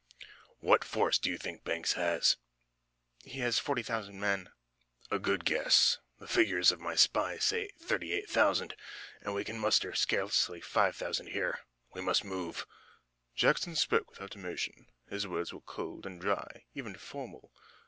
"What force do you think Banks has?" "He must have forty thousand men." "A good guess. The figures of my spies say thirty eight thousand, and we can muster scarcely five thousand here. We must move." Jackson spoke without emotion. His words were cold and dry, even formal.